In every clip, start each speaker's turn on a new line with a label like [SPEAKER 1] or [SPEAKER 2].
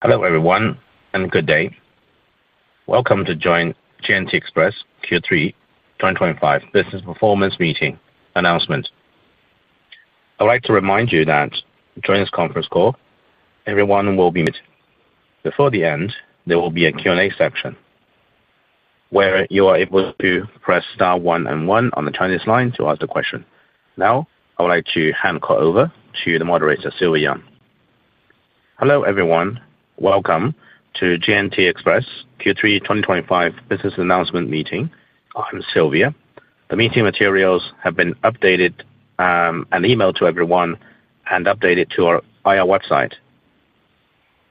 [SPEAKER 1] Hello everyone and good day. Welcome to joint J&T Global Express Q3 2025 business performance meeting announcement. I'd like to remind you that during this conference call everyone will be muted. Before the end there will be a Q and A section where you are able to press Star one and one on the Chinese line to ask the question. Now I would like to hand over to the moderator Silvia Yang. Hello everyone. Welcome to J&T Global Express Q3 2025 business announcement meeting. I'm Silvia. The meeting materials have been updated and emailed to everyone and updated to our IR website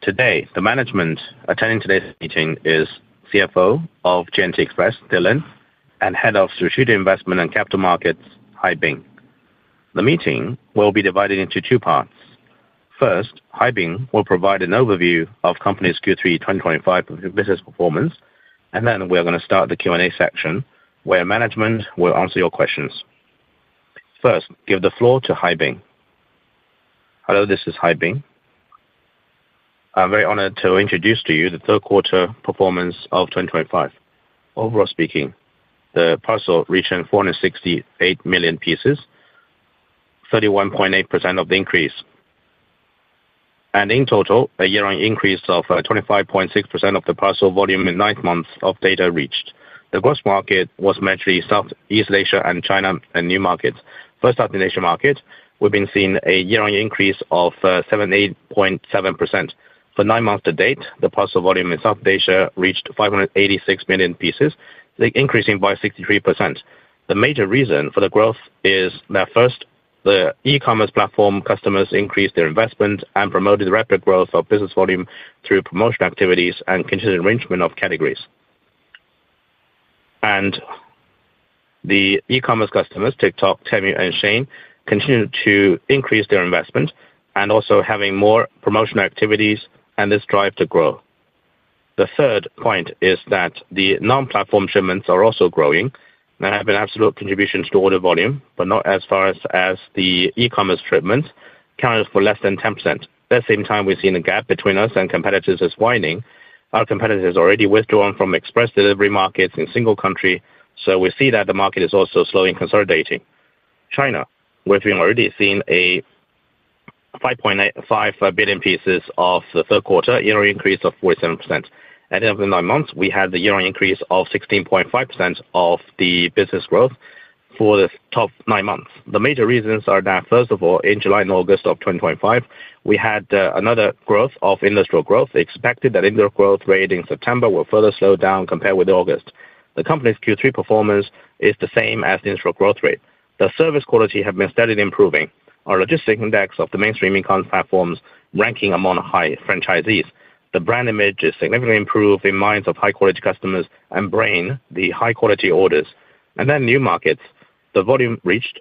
[SPEAKER 1] today. The management attending today's meeting is CFO of J&T Global Express Dylan and Head of Strategic Investment and Capital Markets Haibing. The meeting will be divided into two parts. First, Haibing will provide an overview of company's Q3 2025 business performance and then we are going to start the Q and A section where management will answer your questions. First give the floor to Haibing. Hello, this is Haibing. I'm very honored to introduce to you the third quarter performance of 2025. Overall speaking, the parcel reaching 468 million pieces, 31.8% of the increase and in total a year on increase of 25.6% of the parcel volume in 9th month of data reached. The gross market was measuring Southeast Asia and China and new markets. First, South Asia market, we've been seeing a year on increase of 78.7% for nine months to date. The parcel volume in South Asia reached 586 million pieces, increasing by 63%. The major reason for the growth is that first, the e-commerce platform customers increased their investment and promoted rapid growth of business volume through promotion activities and continuing arrangement of categories. The e-commerce customers TikTok, Temu and Shein continue to increase their investment and also having more promotional activities and this drive to grow. The third point is that the non-platform shipments are also growing and have an absolute contribution to order volume but not as far as the e-commerce shipments counted for less than 10%. At the same time, we've seen a gap between us and competitors is widening. Our competitors already withdrawn from express delivery markets in single country, so we see that the market is also slowly consolidating. China, we've already seen 5.85 billion pieces in the third quarter, year-on increase of 47%. At the end of the nine months, we had the year-on increase of 16.5% of the business growth for the top nine months. The major reasons are that, first of all, in July and August of 2025, we had another growth of industrial growth. Expected that indoor growth rate in September will further slow down compared with August. The company's Q3 performance is the same as the initial growth rate. The service quality have been steadily improving. Our logistic index of the mainstream income platforms ranking among high franchisees. The brand image is significantly improved in minds of high quality customers and brain. The high quality orders and then new markets. The volume reached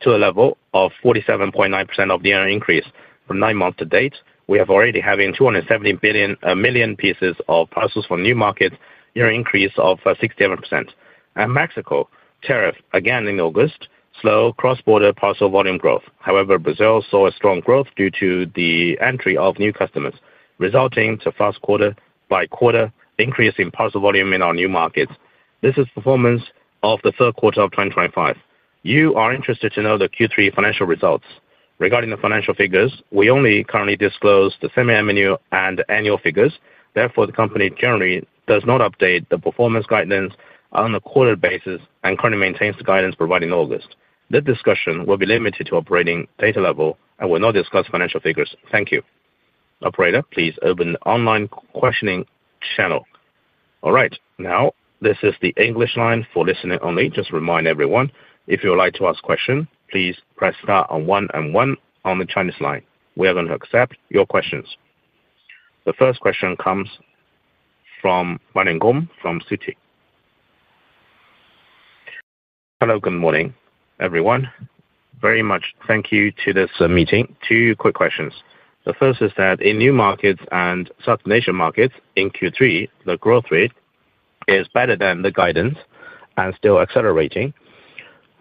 [SPEAKER 1] to a level of 47.9% of the year increase from nine months to date. We have already having 270 billion pieces of parcels for new markets. Year increase of 67% and Mexico tariff again in August. Slow cross-border parcel volume growth. However, Brazil saw a strong growth due to the entry of new customers resulting to fast quarter by quarter increase in parcel volume in our new markets. This is performance of the third quarter of 2025. You are interested to know the Q3 financial results. Regarding the financial figures, we only currently disclose the semi annual and annual figures. Therefore, the company generally does not update the performance guidance on a quarterly basis and currently maintains the guidance provided in August. The discussion will be limited to operating data level and will not discuss financial figures. Thank you. Operator, please open the online questioning channel. All right, now this is the English line for listening only. Just remind everyone, if you would like to ask questions, please press star one and one on the Chinese line. We are going to accept your questions. The first question comes from Waning Gong from Citi. Hello, good morning everyone, very much. Thank you to this meeting. Two quick questions. The first is that in new markets and Southern Asian markets in Q3, the growth rate is better than the guidance and still accelerating.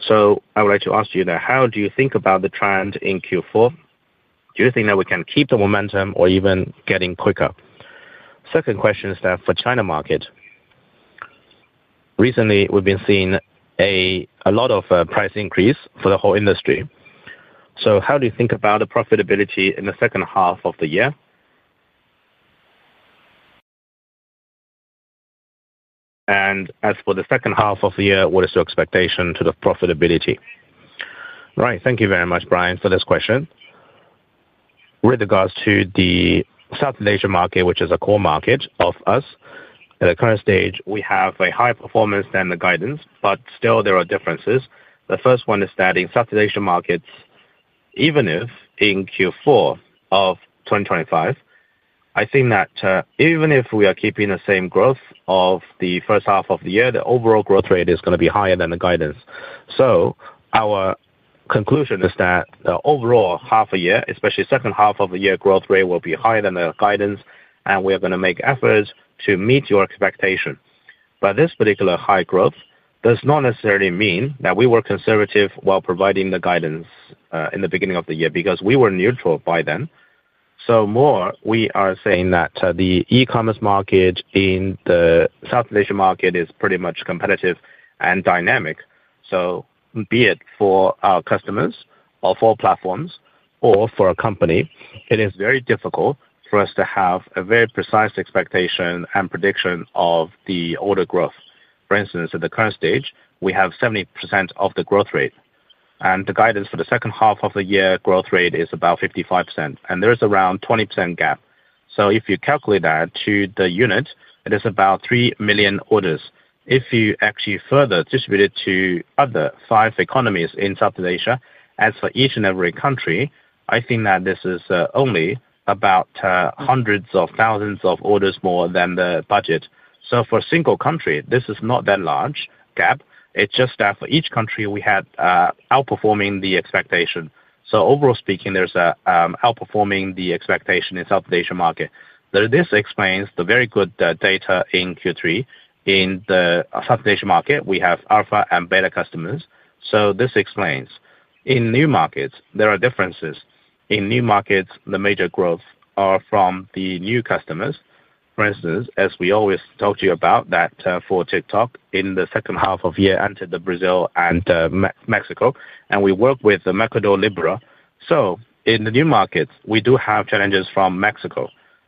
[SPEAKER 1] So I would like to ask you now, how do you think about the trend in Q4? Do you think that we can keep the momentum or even getting quicker? Second question is that for China market, recently we've been seeing a lot of price increase for the whole industry. How do you think about the profitability in the second half of the year? As for the second half of the year, what is your expectation to the profitability? Right. Thank you very much Brian for this question. With regards to the South Asia market, which is a core market of us at the current stage, we have a higher performance than the guidance, but still there are differences. The first one is that in South Asian markets, even if in Q4 of 2025, I think that even if we are keeping the same growth of the first half of the year, the overall growth rate is going to be higher than the guidance. Our conclusion is that overall half a year, especially second half of the year growth rate will be higher than the guidance and we are going to make efforts to meet your expectation. This particular high growth does not necessarily mean that we were conservative while providing the guidance in the beginning of the year because we were neutral by then. We are saying that the e-commerce market in the South Asia market is pretty much competitive dynamic. Be it for our customers or for platforms or for a company, it is very difficult for us to have a very precise expectation and prediction of the order growth. For instance, at the current stage we have 70% of the growth rate and the guidance for the second half of the year growth rate is about 55% and there is around 20% gap. If you calculate that to the unit it is about 3 million orders. If you actually further distribute it to other five economies in Southeast Asia, as for each and every country, I think that this is only about hundreds of thousands of orders more than the budget. For a single country this is not that large gap. It's just that for each country we had outperforming the expectation. Overall speaking there's outperforming the expectation in South Asia market. This explains the very good data in Q3. In the South Asian market we have alpha and beta customers. This explains in new markets there are differences. In new markets the major growth are from the new customers. For instance, as we always talk to you about that for TikTok in the second half of year entered the Brazil and Mexico and we work with Mercado Libre. In the new markets we do have challenges from Mexico.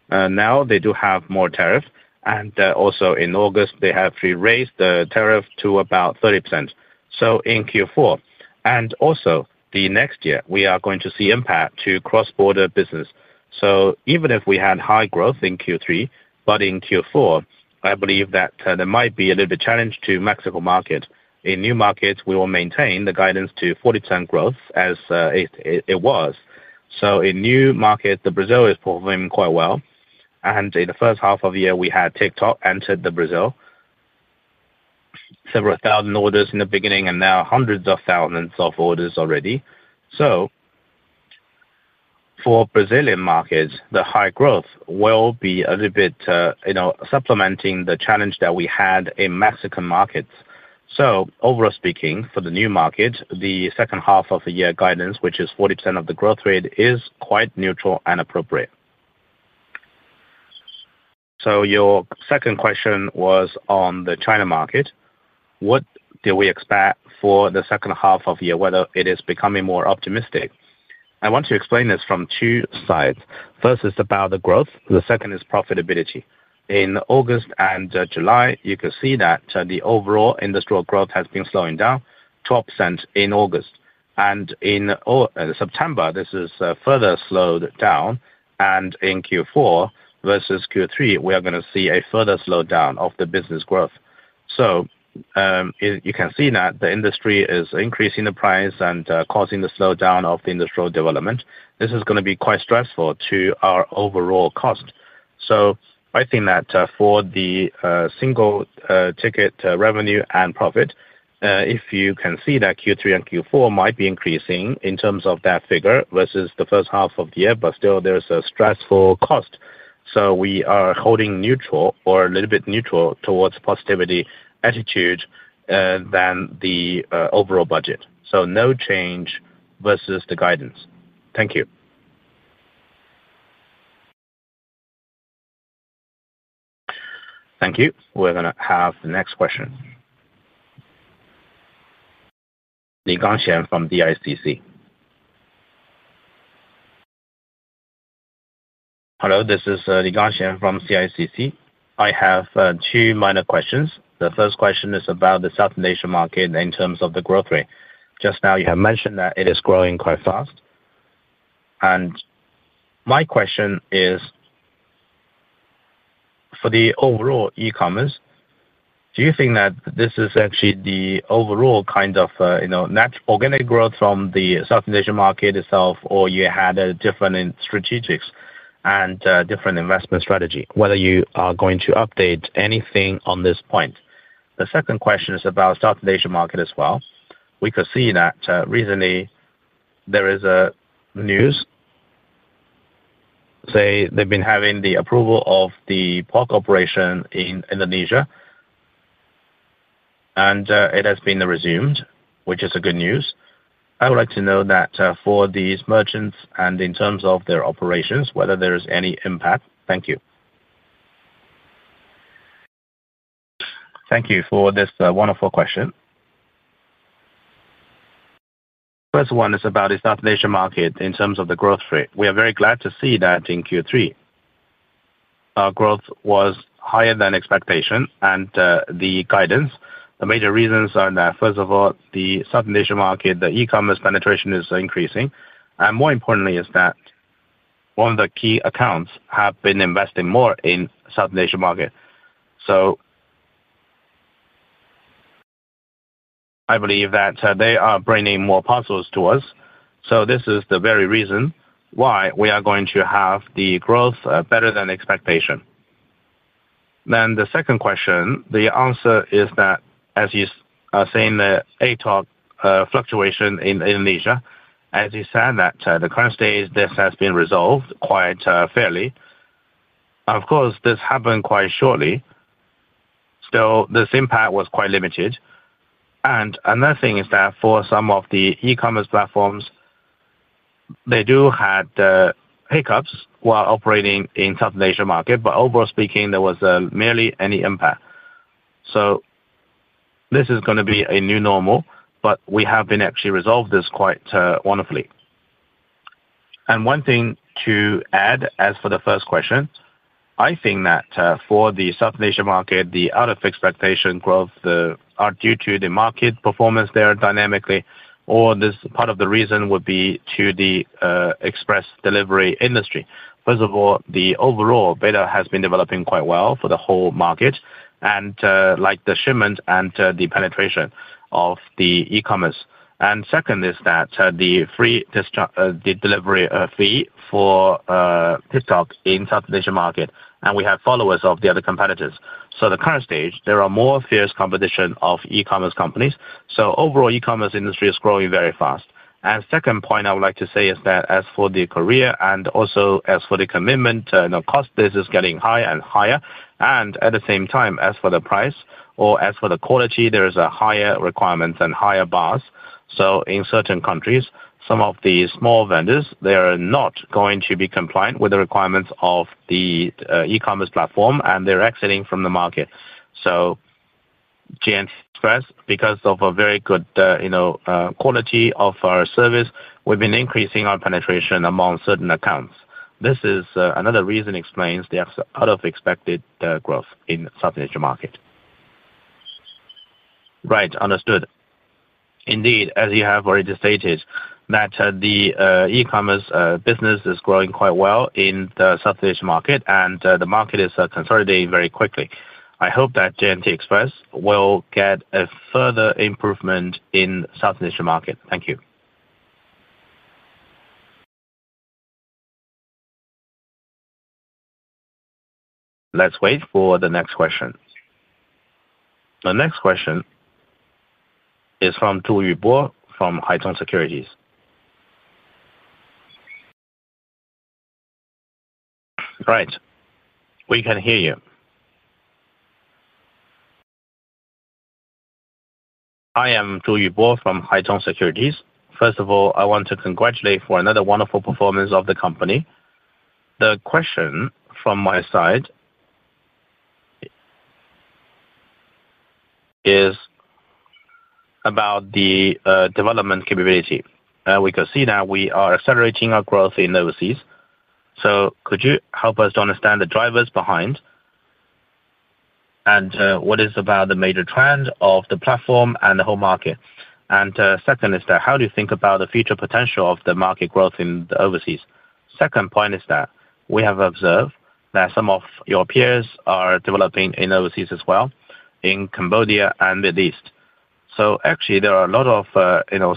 [SPEAKER 1] Now they do have more tariffs and also in August they have raised the tariff to about 30%. In Q4 and also the next year we are going to see impact to cross-border business. Even if we had high growth in Q3, in Q4 I believe that there might be a little bit of challenge to the Mexico market. In new markets we will maintain the guidance to 40% growth as it was. In new markets, Brazil is performing quite well. In the first half of the year we had TikTok enter Brazil, several thousand orders in the beginning and now hundreds of thousands of orders already. For Brazilian markets, the high growth will be a little bit supplementing the challenge that we had in Mexican markets. Overall speaking for the new market, the second half of the year guidance, which is 40% of the growth rate, is quite neutral and appropriate. Your second question was on the China market, what do we expect for the second half of the year, whether it is becoming more optimistic. I want to explain this from two sides. First is about the growth, the second is profitability. In August and July you can see that the overall industrial growth has been slowing down 12%. In August and in September this is further slowed down and in Q4 versus Q3 we are going to see a further slowdown of the business growth. You can see that the industry is increasing the price and causing the slowdown of the industrial development. This is going to be quite stressful to our overall cost. I think that for the single ticket revenue and profit, if you can see that Q3 and Q4 might be increasing in terms of that figure versus the first half of the year, but still there's a stressful cost. We are holding neutral or a little bit neutral towards positivity attitude than the overall budget. No change versus the guidance. Thank you. Thank you. We're going to have the next question. Li Gangxian from CICC. Hello, this is Li Gangxian from CICC. I have two minor questions. The first question is about the South Asian market in terms of the growth rate. Just now you have mentioned that it is growing quite fast and my question is for the overall e-commerce. Do you think that this is actually the overall kind of organic growth from the Southeast Asian market itself, or you had a different strategics and different investment strategy, whether you are going to update anything on this point. The second question is about South Asian market as well. We could see that recently there is a news say they've been having the approval of the port operation in Indonesia and it has been resumed, which is good news. I would like to know that for these merchants and in terms of their operations whether there is any impact. Thank you. Thank you for this wonderful question. First one is about the South Asian market in terms of the growth rate. We are very glad to see that in Q3 our growth was higher than expectation. The guidance, the major reasons are that first of all the South Asia market, the e-commerce penetration is increasing and more importantly is that one of the key accounts have been investing more in South Asia market. I believe that they are bringing more parcels to us. This is the very reason why we are going to have the growth better than expectation. The second question, the answer is that as you say in the ATOC fluctuation in Indonesia, as you said that the current stage this has been resolved quite fairly. Of course this happened quite shortly. Still, this impact was quite limited. Another thing is that for some of the e-commerce platforms they do had hiccups while operating in South Asia market but overall speaking there was merely any impact, so this is going to be a new normal but we have been actually resolved this quite wonderfully and one thing to add as for the first question I think that for the South Asia market the out of expectation growth are due to the market performance there dynamically or this part of the reason would be to the express delivery industry. First of all, the overall beta has been developing quite well for the whole market and like the shipment and the penetration of the e-commerce and second is that the free delivery fee for TikTok in South Asia market and we have followers of the other competitors, so the current stage there are more fierce competition of e-commerce companies. Overall e-commerce industry is growing very fast and second point I would like to say is that as for the Korea and also as for the commitment cost basis is getting higher and higher and at the same time as for the price or as for the quality there is a higher requirements and higher bars, so in certain countries, some of the small vendors they are not going to be compliant with the requirements of the e-commerce platform and they're exiting from the market. J&T Global Express, because of a very good quality of our service, we've been increasing our penetration among certain accounts. This is another reason that explains the out of expected growth in the South Asia market. Right? Understood. Indeed, as you have already stated, the e-commerce business is growing quite well in the South Asia market and the market is consolidating very quickly. I hope that J&T Global Express will get a further improvement in the South Asia market. Thank you. Let's wait for the next question. The next question is from Tu Yu Bo from Haitong Securities. Right? We can hear you. I am Zhou Yubo from Haitong Securities. First of all, I want to congratulate for another wonderful performance of the company. The question from my side is about the development capability. We can see that we are accelerating our growth in overseas, so could you help us to understand the drivers behind and what is about the major trend of the platform and the whole market? Second is that how do you think about the future potential of the market growth in the overseas? Second point is that we have observed that some of your peers are developing in overseas as well, in Cambodia and Middle East. Actually, there are a lot of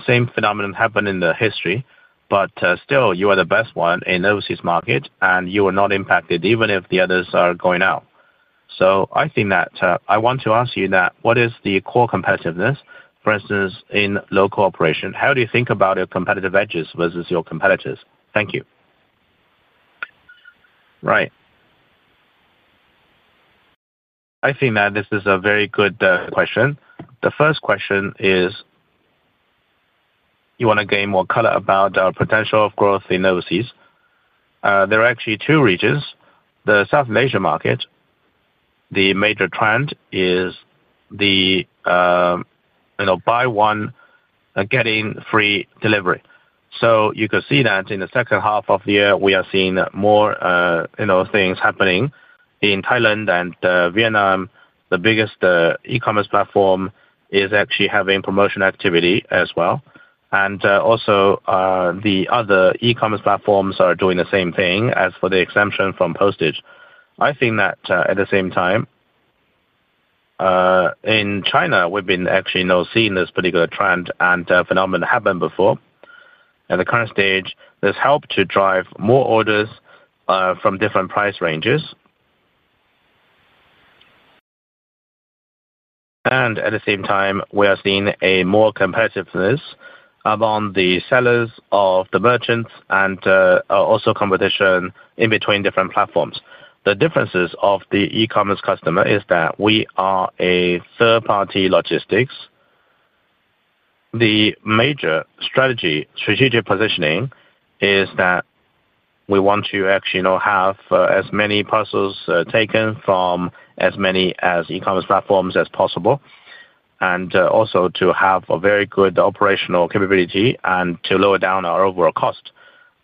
[SPEAKER 1] same phenomenon happened in the history, but still you are the best one in overseas market and you are not impacted even if the others are going out. I think that I want to ask you, what is the core competitiveness, for instance, in local operation? How do you think about your competitive edges versus your competitors? Thank you. Right, I think that this is a very good question. The first question is you want to gain more color about potential of growth in overseas. There are actually two regions. The South Malaysia market. The major trend is the buy one getting free delivery. You can see that in the second half of the year, we are seeing more things happening in Thailand and Vietnam. The biggest e-commerce platform is actually having promotion activity as well. Also, the other e-commerce platforms are doing the same thing as for the exemption from postage. At the same time, in China, we've been actually seeing this particular trend and phenomenon happened before. At the current stage, this helped to drive more orders from different price ranges. At the same time, we are seeing more competitiveness among the sellers of the merchants and also competition in between different platforms. The differences of the e-commerce customer is that we are a third party logistics. The major strategy, strategic positioning is that we want to actually have as many parcels taken from as many as e-commerce platforms as possible and also to have a very good operational capability and to lower down our overall cost.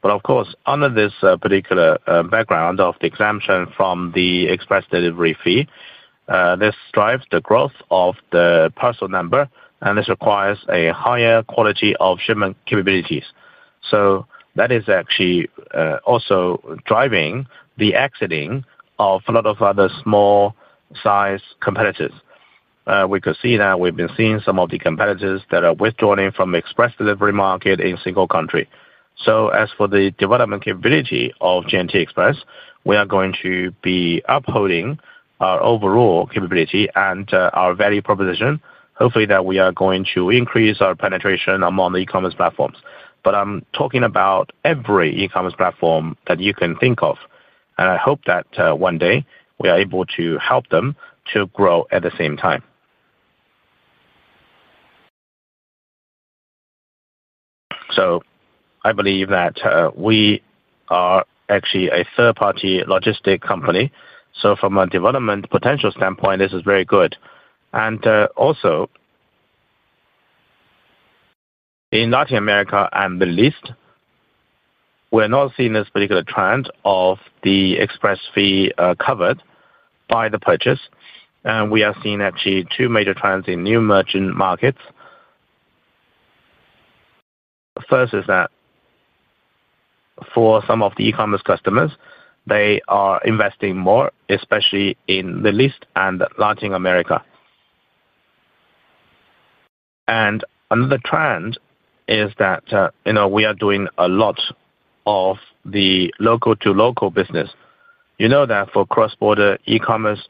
[SPEAKER 1] Of course, under this particular background of the exemption from the express delivery fee, this drives the growth of the parcel number and this requires a higher quality of shipment capabilities. That is actually also driving the exiting of a lot of other small size competitors. We could see that we've been seeing some of the competitors that are withdrawn from express delivery market in single country. As for the development capability of J&T Global Express, we are going to be upholding our overall capability and our value proposition. Hopefully that we are going to increase our penetration among the e-commerce platforms. I'm talking about every e-commerce platform that you can think of and I hope that one day we are able to help them to grow at the same time. I believe that we are actually a third party logistics company. From a development potential standpoint this is very good. Also in Latin America and Middle East we are not seeing this particular trend of the express fee covered by the purchase. We are seeing actually two major trends in new merchant markets. First is that for some of the e-commerce customers they are investing more especially in Middle East and Latin America. Another trend is that we are doing a lot of the local-to-local business. For cross-border e-commerce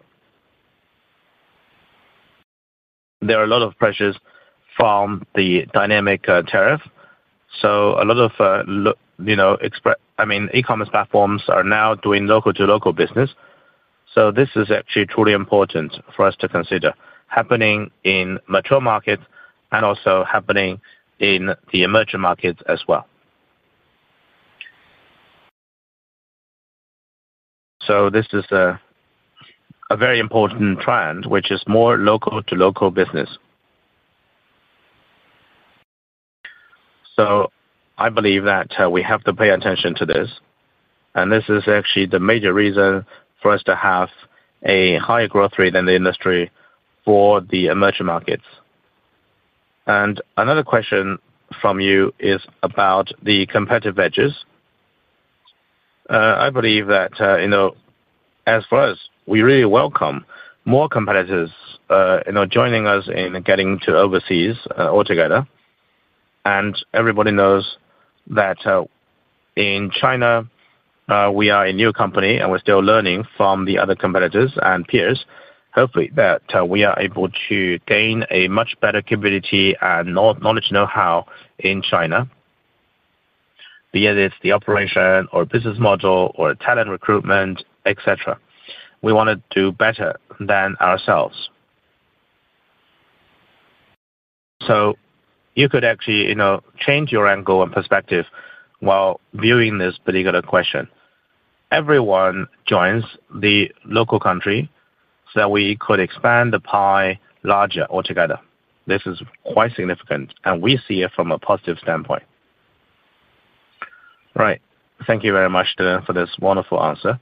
[SPEAKER 1] there are a lot of pressures from the dynamic tariff. A lot of e-commerce platforms are now doing local-to-local business. This is actually truly important for us to consider happening in mature markets and also happening in the emerging markets as well. This is a very important trend which is more local-to-local business. I believe that we have to pay attention to this and this is actually the major reason for us to have a higher growth rate than the industry for the emerging markets. Another question from you is about the competitive edges. I believe that as far as we really welcome more competitors joining us in getting to overseas altogether and everybody knows that in China we are a new company and we're still learning from the other competitors and peers. Hopefully that we are able to gain a much better community and knowledge, know-how in China, be it the operation or business model or talent recruitment, etc. We want to do better than ourselves. You could actually change your angle and perspective while viewing this particular question. Everyone joins the local country so we could expand the pie larger altogether. This is quite significant and we see it from a positive standpoint. Right. Thank you very much, Dylan, for this wonderful answer.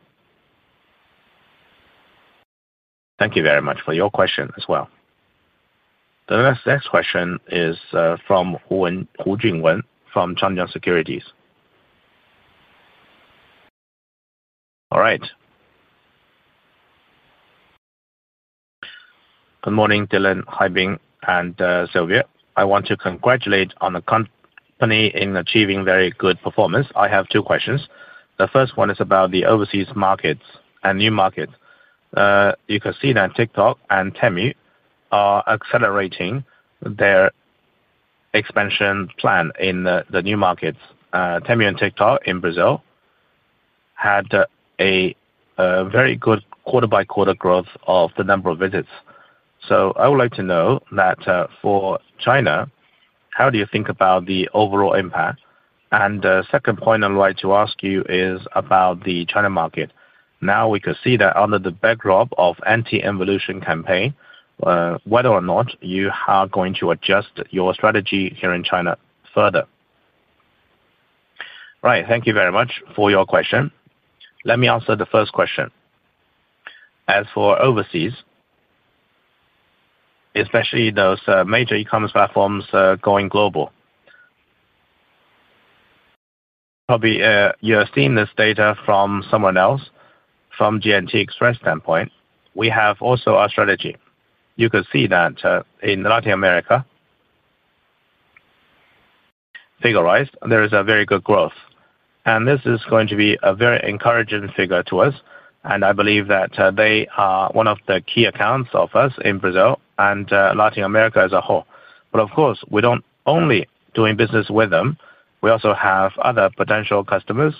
[SPEAKER 1] Thank you very much for your question as well. The next question is from Hu Junwen from Chang Securities. All right, good morning Dylan, Haibing, and Silvia. I want to congratulate the company on achieving very good performance. I have two questions. The first one is about the overseas markets and new markets. You can see that TikTok and Temu are accelerating their expansion plan in the new markets. Temu and TikTok in Brazil had a very good quarter-by-quarter growth of the number of visits. I would like to know that for China, how do you think about the overall impact? The second point I'd like to ask you is about the China market. Now we could see that under the backdrop of anti-evolution campaign whether or not you are going to adjust your strategy here in China further, right? Thank you very much for your question. Let me answer the first question. As for overseas, especially those major e-commerce platforms going global, probably you have seen this data from someone else. From J&T Global Express standpoint, we have also our strategy. You could see that in Latin America, there is a very good growth and this is going to be a very encouraging figure to us and I believe that they are one of the key accounts of us in Brazil and Latin America as a whole. Of course, we don't only do business with them. We also have other potential customers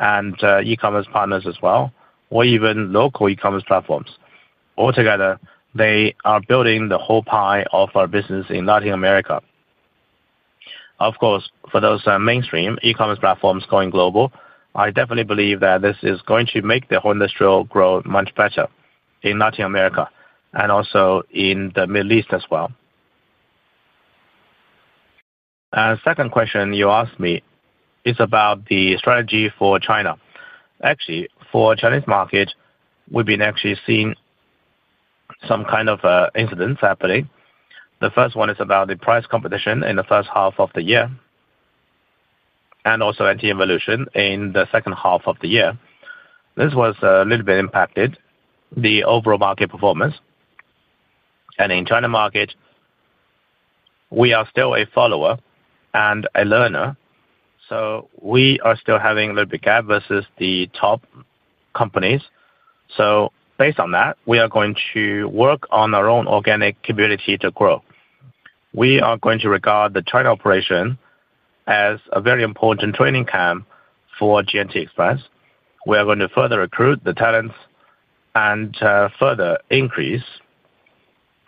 [SPEAKER 1] and e-commerce partners as well or even local e-commerce platforms. Altogether they are building the whole pie of our business in Latin America. Of course, for those mainstream e-commerce platforms going global, I definitely believe that this is going to make the whole industry grow much better in Latin America and also in the Middle East as well. Second question you asked me is about the strategy for China, actually for Chinese market. We've been actually seeing some kind of incidents happening. The first one is about the price competition in the first half of the year and also anti-evolution in the second half of the year. This was a little bit impacted the overall market performance. In China market we are still a follower and a learner. We are still having a little bit gap versus the top companies. Based on that we are going to work on our own organic community to grow. We are going to regard the China operation as a very important training camp for J&T Global Express. We are going to further recruit the talents and further increase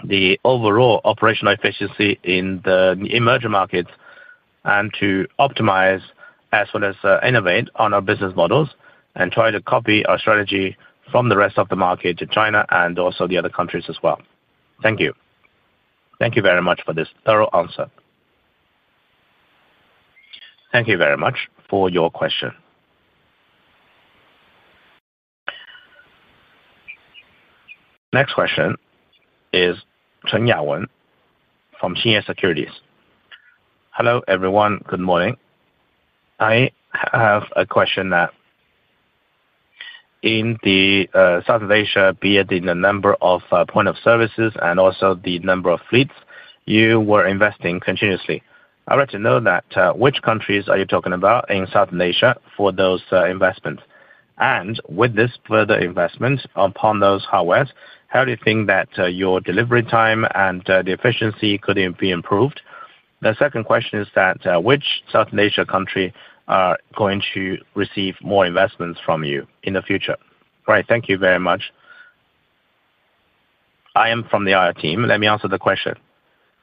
[SPEAKER 1] the overall operational efficiency in the emerging markets and to optimize as well as innovate on our business models and try to copy our strategy from the rest of the market to China and also the other countries as well. Thank you. Thank you very much for this thorough answer. Thank you very much for your question. Next question is Chen Yawen from Xinye Securities. Hello everyone. Good morning. I have a question that in the south of Asia, be it in the number of point of services and also the number of fleets you were investing continuously, I'd like to know that which countries are you talking about in South Asia for those investments and with this further investment upon those hardware, how do you think that your delivery time and the efficiency could be improved? The second question is that which South Asia country are going to receive more investments from you in the future? Right? Thank you very much. I am from the IR team. Let me answer the question.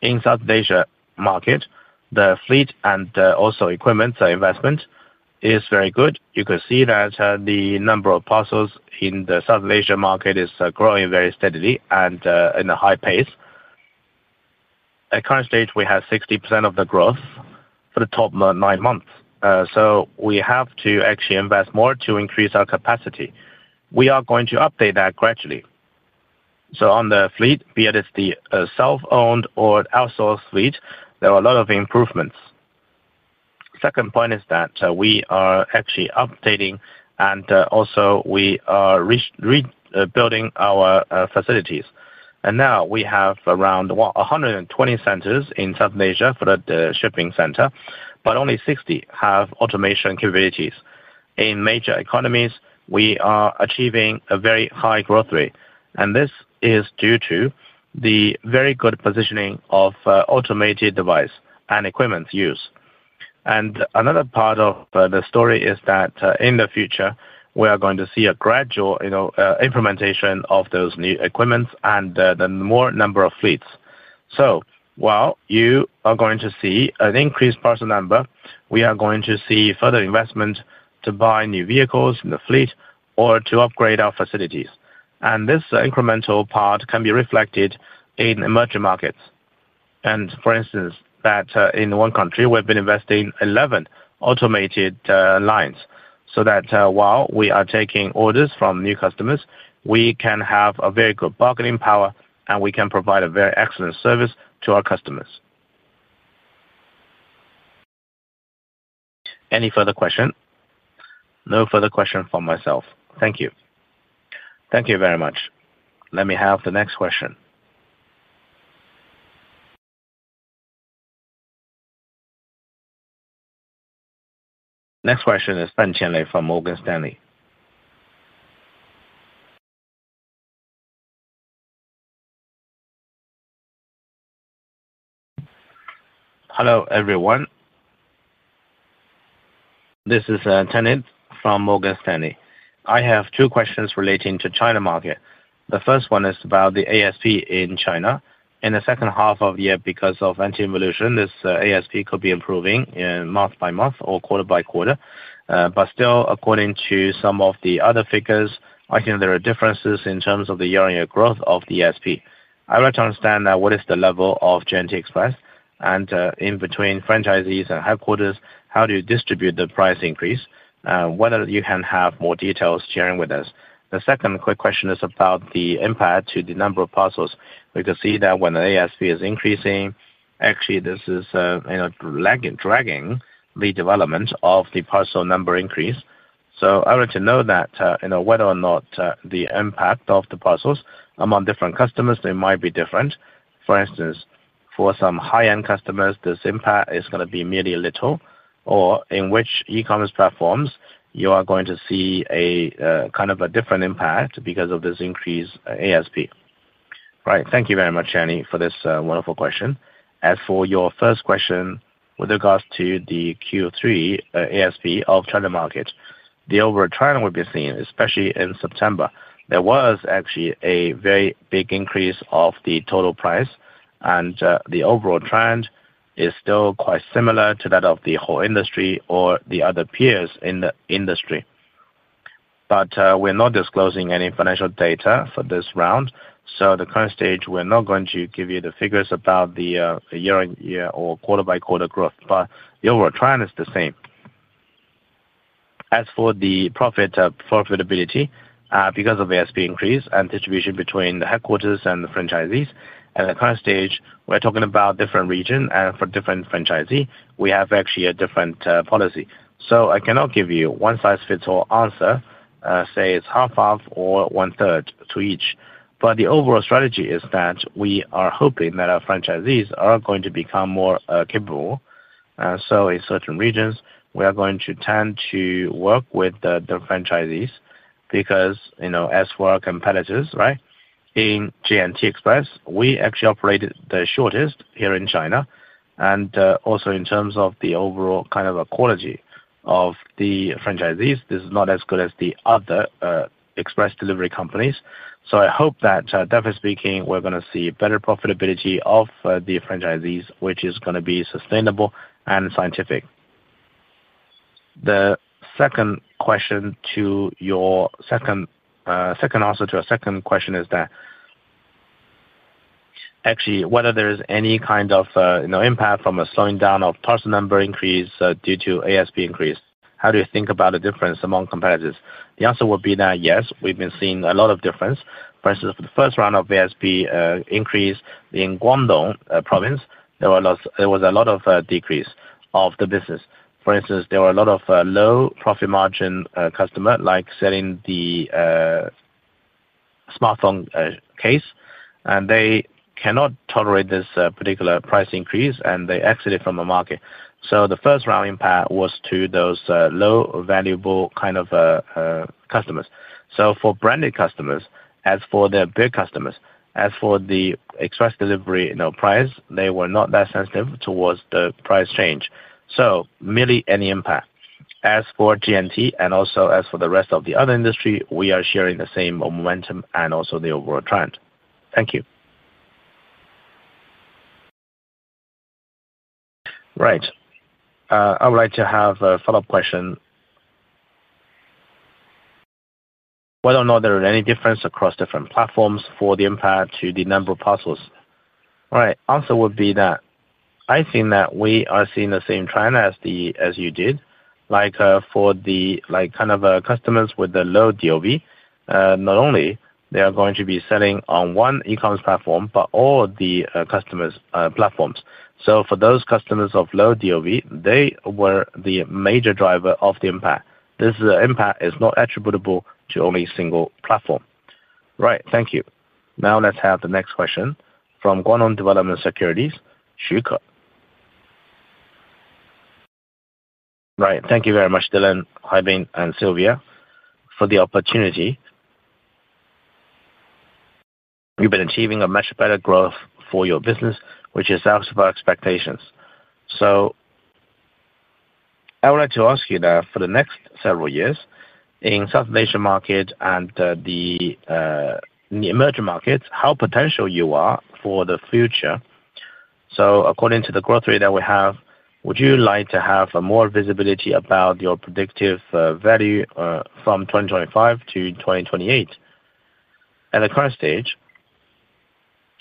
[SPEAKER 1] In South Asia market, the fleet and also equipment investment is very good. You can see that the number of parcels in the South Asia market is growing very steadily and in a high pace. At current stage, we have 60% of the growth for the top nine months. We have to actually invest more to increase our capacity. We are going to update that gradually. On the fleet, be it the self-owned or outsourced fleet, there are a lot of improvements. Second point is that we are actually updating and also we are rebuilding our facilities. Now we have around 120 centers in South Asia for the shipping center, but only 60 have automation capabilities in major economies. We are achieving a very high growth rate and this is due to the very good positioning of automated device and equipment use. Another part of the story is that in the future we are going to see a gradual implementation of those new equipment and a greater number of fleets. You are going to see an increased parcel number. We are going to see further investment to buy new vehicles in the fleet or to upgrade our facilities. This incremental part can be reflected in emerging markets. For instance, in one country we have been investing in 11 automated lines so that while we are taking orders from new customers we can have very good bargaining power and we can provide excellent service to our customers. Any further question? No further question from myself. Thank you. Thank you very much. Let me have the next question. Next question is Fen Qianlei from Morgan Stanley. Hello everyone, this is Tenant from Morgan Stanley. I have two questions relating to the China market. The first one is about the ASP in China in the second half of the year because of anti-evolution. This ASP could be improving month by month or quarter by quarter. According to some of the other figures I think there are differences in terms of the year-on-year growth of the ASP. I'd like to understand what is the level of J&T Global Express and in between franchisees and headquarters, how do you distribute the price increase? Whether you can have more details sharing with us. The second quick question is about the impact to the number of parcels. We can see that when the ASP is increasing actually this is dragging the development of the parcel number increase. I want to know whether or not the impact of the parcels among different customers might be different. For instance, for some high-end customers this impact is going to be merely little or in which e-commerce platforms you are going to see kind of a different impact because of this increased ASP. Thank you very much Annie for this wonderful question. As for your first question with regards to the Q3 ASP of the China market, the overall trend we've been seeing, especially in September, there was actually a very big increase of the total price and the overall trend is still quite similar to that of the whole industry or the other peers in the industry. We are not disclosing any financial data for this round. At the current stage we are not going to give you the figures about the year-on-year or quarter-by-quarter growth. The overall trend is the same as for the profitability because of the ASP increase and distribution between the headquarters and the franchisees. At the current stage, we're talking about different regions and for different franchisees we actually have a different policy. I cannot give you a one size fits all answer, say it's half or 1/3 to each. The overall strategy is that we are hoping that our franchisees are going to become more capable. In certain regions, we are going to tend to work with the franchisees. As for our competitors, in J&T Global Express, we actually operated the shortest here in China. Also, in terms of the overall kind of quality of the franchisees, this is not as good as the other express delivery companies. I hope that, speaking, we're going to see better profitability of the franchisees, which is going to be sustainable and scientific. The second answer to your second question is that actually whether there is any kind of impact from a slowing down of parcel number increase due to ASP increase, how do you think about the difference among competitors? The answer would be that yes, we've been seeing a lot of difference. For instance, for the first round of ASP increase in Guangdong province, there was a lot of decrease of the business. For instance, there were a lot of low profit margin customers like selling the smartphone case and they cannot tolerate this particular price increase and they exited from the market. The first round impact was to those low valuable kind of customers. For branded customers, as for their big customers, as for the express delivery price, they were not that sensitive towards the price change, so merely any impact. As for J&T Global Express and also as for the rest of the other industry, we are sharing the same momentum and also the overall trend. Thank you. I would like to have a follow up question whether or not there are any differences across different platforms for the impact to the number of parcels. The answer would be that I think that we are seeing the same trend as you did. For the kind of customers with the low DOV, not only are they going to be selling on one e-commerce platform, but all the customers' platforms. For those customers of low DOV, they were the major driver of the impact. This impact is not attributable to only a single platform. Thank you. Now let's have the next question from Guanhong Development Securities. Xuke. Right. Thank you very much Dylan, Haibing, and Silvia for the opportunity, you've been achieving a much better growth for your business which is out of our expectations. I would like to ask you that for the next several years in South Asia market and the emerging markets, how potential you are for the future. According to the growth rate that we have, would you like to have more visibility about your predictive value from 2025 to 2028 at the current stage.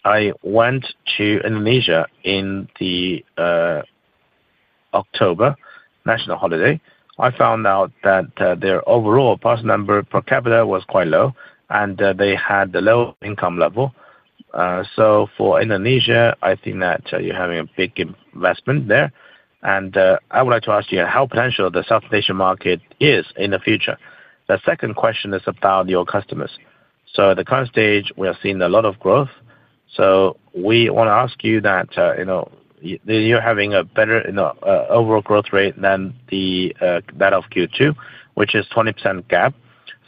[SPEAKER 1] I went to Indonesia in the October national holiday. I found out that their overall pass number per capita was quite low and they had the low income level. For Indonesia, I think that you're having a big investment there and I would like to ask you how potential the South Asian market is in the future. The second question is about your customers. At the current stage we have seen a lot of growth. We want to ask you that you're having a better overall growth rate than that of Q2, which is 20% gap.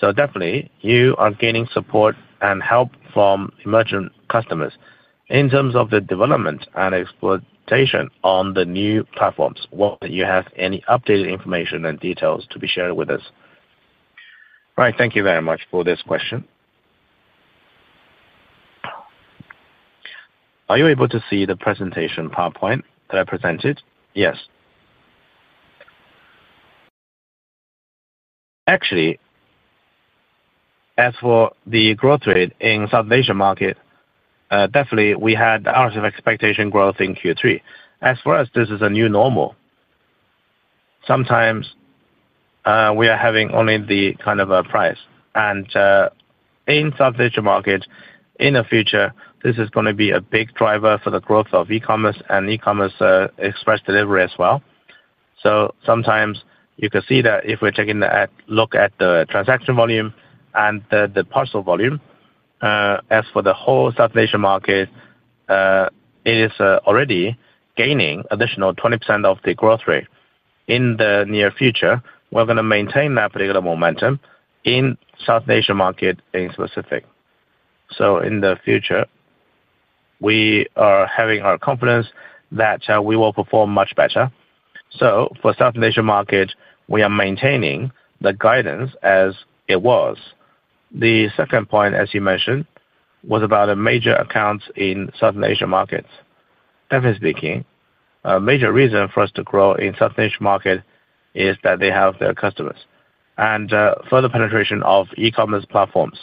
[SPEAKER 1] Definitely you are gaining support and help from emerging customers in terms of the development and exploitation on the new platforms. You have any updated information and details to be shared with us? Right. Thank you very much for this question. Are you able to see the presentation PowerPoint that I presented? Yes, actually as for the growth rate in South Asia market, definitely we had out of expectation growth in Q3. As far as this is a new normal. Sometimes we are having only the kind of a price and in South Digital market in the future this is going to be a big driver for the growth of E Commerce and E Commerce Express delivery as well. Sometimes you can see that if we're taking a look at the transaction volume and the parcel volume, as for the whole South Asian market, it is already gaining additional 20% of the growth rate. In the near future we're going to maintain that particular momentum in South Asia market in specific. In the future we are having our confidence that we will perform much better. For South Asian market we are maintaining the guidance as it was. The second point as you mentioned was about a major account in Southern Asian markets. Definitely speaking. A major reason for us to grow in South Asian market is that they have their customers and further penetration of E commerce platforms.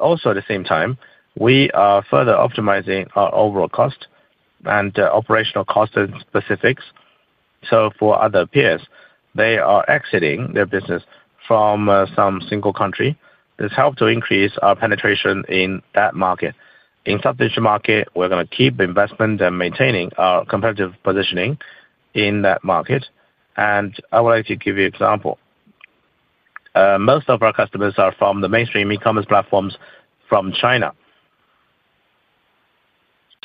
[SPEAKER 1] Also at the same time we are further optimizing our overall cost and operational cost specifics. For other peers, they are exiting their business from some single country. This helps to increase our penetration in that market. In South Digital market, we're going to keep investment and maintain our competitive positioning in that market. I would like to give you an example. Most of our customers are from the mainstream e-commerce platforms from China.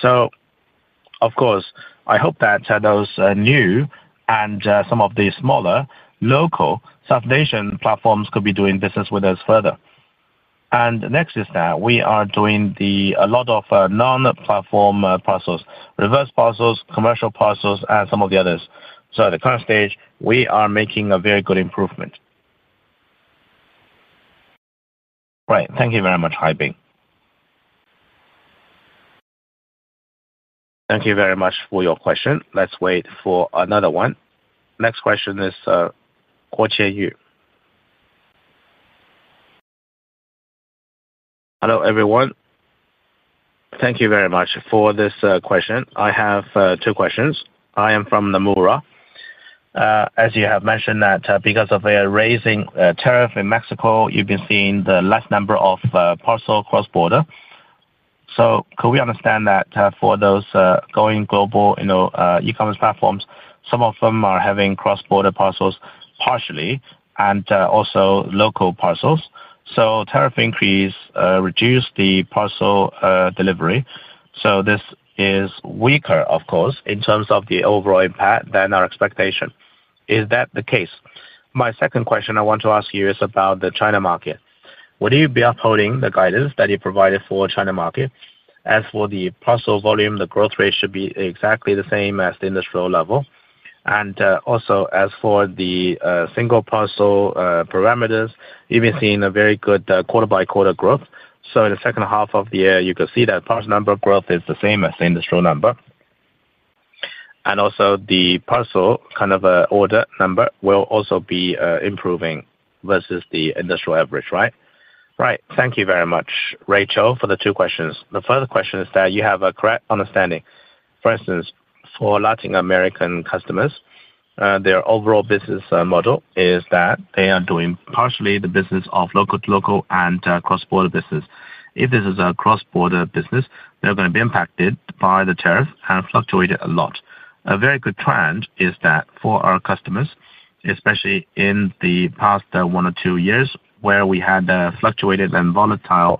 [SPEAKER 1] Of course, I hope that those new and some of the smaller local South Asian platforms could be doing business with us further. Next is that we are doing a lot of non-platform parcels, reverse parcels, commercial parcels, and some of the others. At the current stage, we are making a very good improvement. Thank you very much. Haibing, thank you very much for your question. Let's wait for another one. Next question is Kojie Yu. Hello everyone. Thank you very much for this question. I have two questions. I am from Nomura. As you have mentioned, because of a raising tariff in Mexico, you've been seeing a lower number of parcels cross-border. Could we understand that for those going global e-commerce platforms, some of them are having cross-border parcels partially and also local parcels? Tariff increase reduced the parcel delivery. This is weaker, of course, in terms of the overall impact than our expectation. Is that the case? My second question I want to ask you is about the China market. Would you be upholding the guidance that you provided for China market? As for the parcel volume, the growth rate should be exactly the same as the industry level. Also, as for the single parcel parameters, you've been seeing a very good quarter by quarter growth. In the second half of the year, you can see that parcel number growth is the same as the industry number. Also, the parcel kind of order number will also be improving versus the industry average. Thank you very much, Rachel, for the two questions. The first question is that you have a correct understanding. For instance, for Latin American customers, their overall business model is that they are doing partially the business of local-to-local and cross-border business. If this is a cross-border business, they're going to be impacted by the tariff and fluctuate a lot. A very good trend is that for our customers, especially in the past one or two years where we had fluctuated and volatile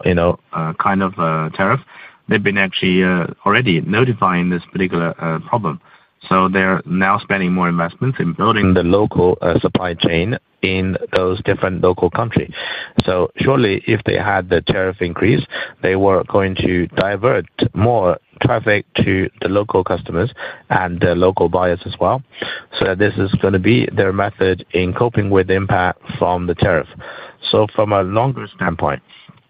[SPEAKER 1] kind of tariff, they've been actually already notifying this particular problem. They're now spending more investments in building the local supply chain in those different local countries. If they had the tariff increase, they were going to divert more traffic to the local customers and local buyers as well. This is going to be their method in coping with impact from the tariff. From a longer standpoint,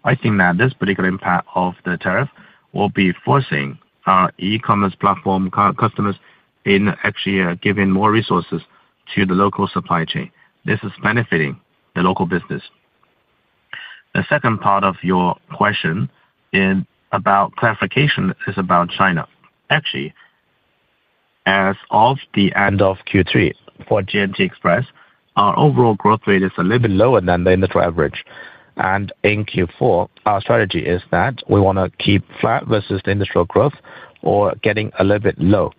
[SPEAKER 1] I think that this particular impact of the tariff will be forcing our e-commerce platform customers in actually giving more resources to the local supply chain. This is benefiting the local business. The second part of your question about clarification is about China. Actually, as of the end of Q3 for J&T Global Express, our overall growth rate is a little bit lower than the initial average. In Q4, our strategy is that we want to keep flat versus the industry growth or getting a little bit low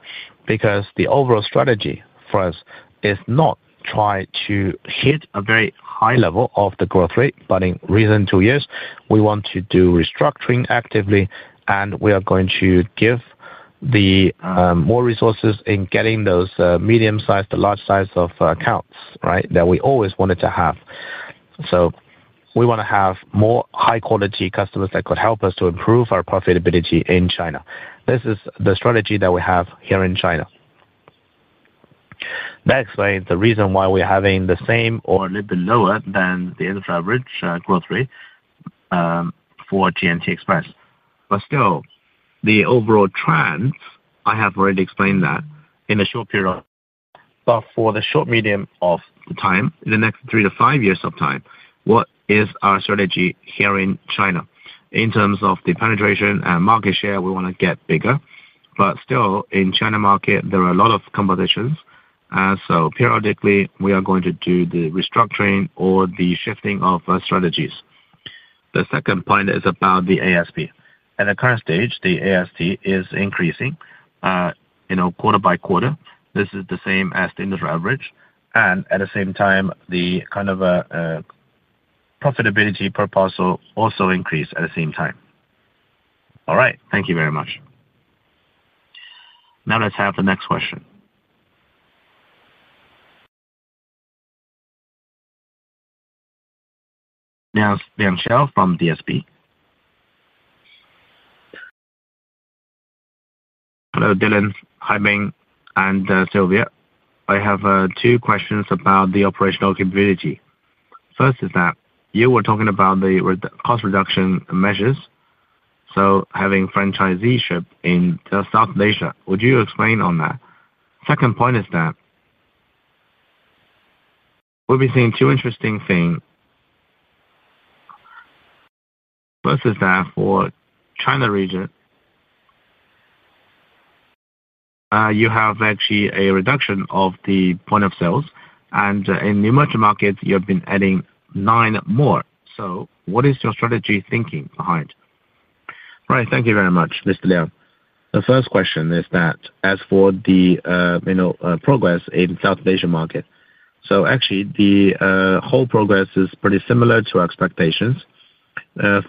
[SPEAKER 1] because the overall strategy for us is not to try to hit a very high level of the growth rate. In recent two years, we want to do restructuring actively and we are going to give more resources in getting those medium-sized to large-size accounts that we always wanted to have. We want to have more high-quality customers that could help us to improve our profitability in China. This is the strategy that we have here in China. Next is the reason why we're having the same or a little bit lower than the industry average growth rate for J&T Global Express. Still, the overall trends, I have already explained that in the short period, but for the short to medium time, in the next three to five years, what is our strategy here in China in terms of the penetration and market share? We want to get bigger, but still in China market there are a lot of competitions. Periodically, we are going to do the restructuring or the shifting of strategies. The second point is about the ASP. At the current stage, the ASP is increasing quarter by quarter. This is the same as the industry average. At the same time, the kind of profitability per parcel also increases at the same time. All right, thank you very much. Now let's have the next question. Lian Chao from DSP. Hello, Dylan. Hi, Bing and Silvia. I have two questions about the operational capability. First is that you were talking about the cost reduction measures. Having franchiseeship in South Asia, would you explain on that? Second point is that we'll be seeing two interesting things. First is that for China region you have actually a reduction of the point of sales and in emerging markets you have been adding nine more. What is your strategy thinking behind? Right, thank you very much, Mr. Liang. The first question is that as for the progress in South Asia market, the whole progress is pretty similar to expectations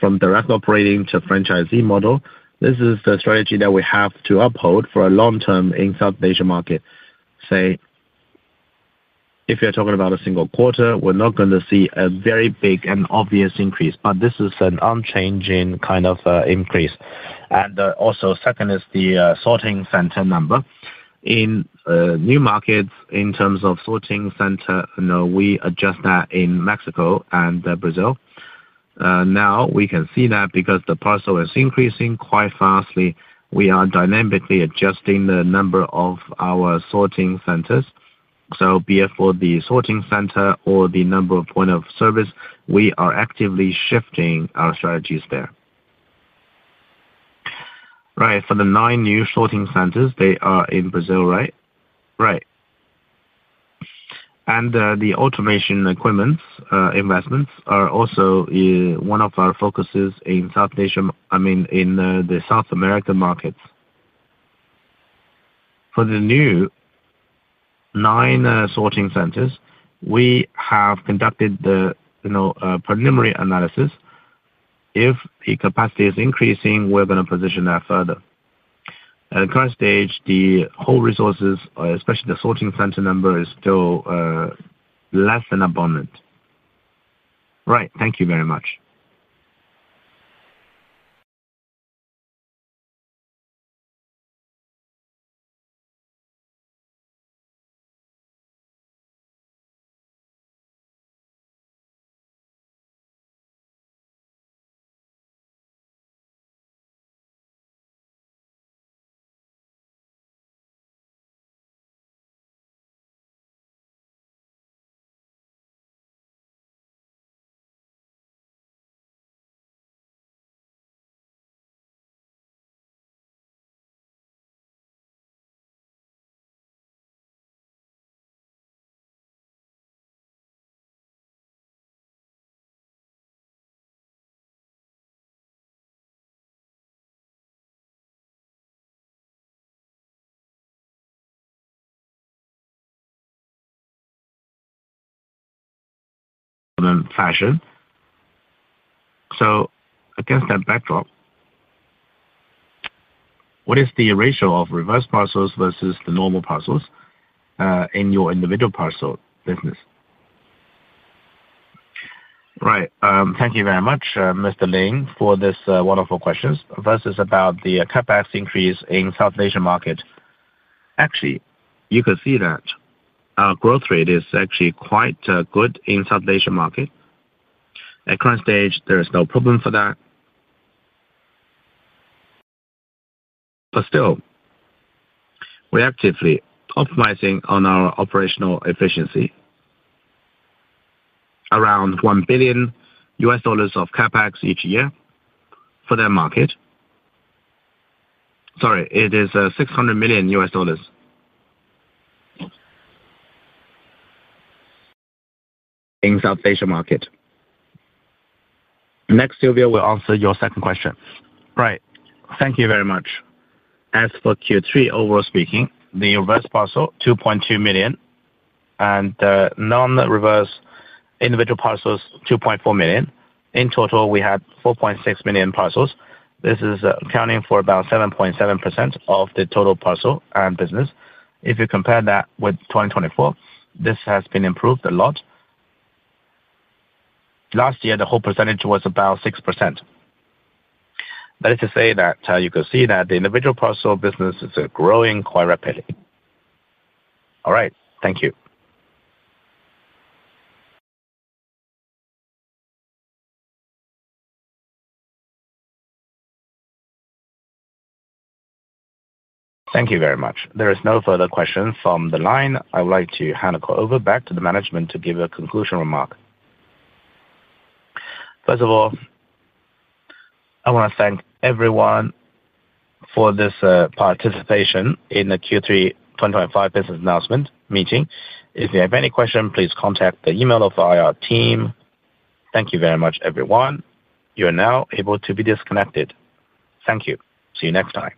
[SPEAKER 1] from direct operating to franchisee model. This is the strategy that we have to uphold for a long term in South Asia market. Say if you're talking about a single quarter, we're not going to see a very big and obvious increase. This is an unchanging kind of increase. Also, second is the sorting center number in new markets. In terms of sorting center, we adjust that in Mexico and Brazil. Now we can see that because the parcel is increasing quite fast, we are dynamically adjusting the number of our sorting centers. Be it for the sorting center or the number of point of service, we are actively shifting our strategies there. Right. For the nine new sorting centers, they are in Brazil. Right, right. The automation equipment investments are also one of our focuses. I mean in the South American markets for the new nine sorting centers, we have conducted the preliminary analysis. If the capacity is increasing, we're going to position that further. At the current stage the whole resources, especially the sorting center number, is still less than abundant. Right, thank you very much Sam Fashion. Against that backdrop, what is the ratio of reverse parcels versus the normal parcels in your individual parcel business? Right, thank you very much Mr. Lin for this wonderful question versus about the cutbacks increase in South Asia market. Actually you can see that our growth rate is actually quite good in South Asia market at current stage. There is no problem for that. Still, we're actively optimizing on our operational efficiency. Around $1 billion of CapEx each year for that market. Sorry, it is $600 million in South Asia market. Next, Silvia will answer your second question. Right, thank you very much. As for Q3, overall speaking, the reverse parcel 2.2 million and non-reverse individual parcels 2.4 million. In total we had 4.6 million parcels. This is accounting for about 7.7% of the total parcel and business. If you compare that with 2024 this has been improved a lot. Last year the whole percentage was about 6%. That is to say that you can see that the individual parcel business is growing quite rapidly. All right, thank you. Thank you very much. There is no further question from the line. I would like to hand it over back to the management to give a conclusion remark. First of all, I want to thank everyone for this participation in the Q3 2025 business announcement meeting. If you have any question please contact the email of IR team. Thank you very much everyone. You are now able to be disconnected. Thank you. See you next time.